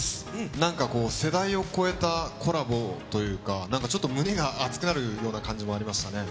なんかこう、世代を超えたコラボというか、なんかちょっと胸が熱くなるような感じもありましたね。